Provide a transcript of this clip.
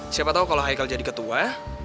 siapa tau kalo haikal jadi ketua